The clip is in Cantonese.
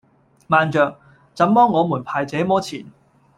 慢著！怎麼我們排這麼前